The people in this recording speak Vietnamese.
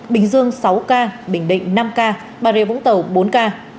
bình dương sáu ca bình định năm ca bà rịa vũng tàu bốn ca